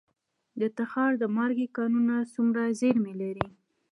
د تخار د مالګې کانونه څومره زیرمې لري؟